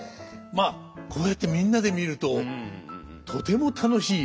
まあこうやってみんなで見るととても楽しい！